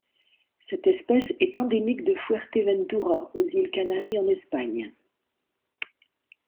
Cette espèce est endémique de Fuerteventura aux îles Canaries en Espagne.